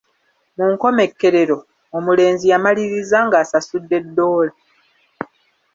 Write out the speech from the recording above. Ku nkomekerero omulenzi yamaliriza ng'asasudde ddoola.